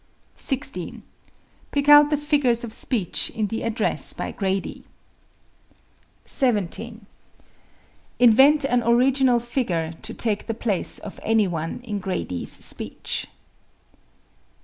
16. Pick out the figures of speech in the address by Grady, on page 240. 17. Invent an original figure to take the place of any one in Grady's speech.